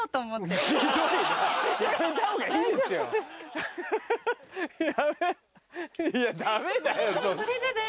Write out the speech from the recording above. いやダメだよ。